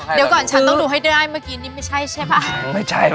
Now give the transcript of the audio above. เดี๋ยวก่อนฉันต้องดูให้ได้เมื่อกี้นิยมันไม่ใช่ใช่ป่ะ